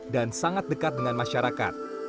dan sangat dekat dengan masyarakat